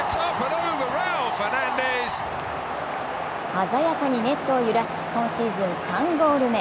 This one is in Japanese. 鮮やかにネットを揺らし、今シーズン３ゴール目。